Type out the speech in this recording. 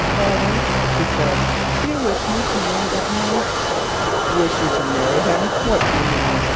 "Father," she said, "do you wish me to marry that man?" "Wish you to marry him? What do you mean?"